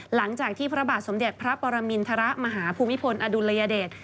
หลังจากที่พระบาทสมเด็จพระปรมินทรมาหาภูมิพลอดุลยเดช